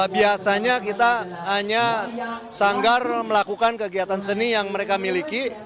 biasanya kita hanya sanggar melakukan kegiatan seni yang mereka miliki